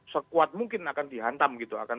sekuat mungkin akan dihantar